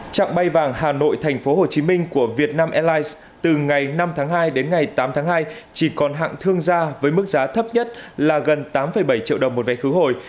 trạng bay vàng hà nội thành phố hồ chí minh của vietnam airlines từ ngày năm tháng hai đến ngày tám tháng hai chỉ còn hạng thương gia với mức giá thấp nhất là gần tám bảy triệu đồng một vé khứ hồi